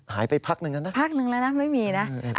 หายไปพักนึงแล้วนะ